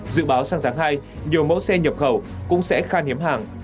dự báo sang tháng hai nhiều mẫu xe nhập khẩu cũng sẽ khan hiếm hàng